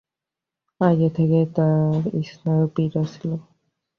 আগে থেকেই তাঁর স্নায়ু পীড়া ছিল।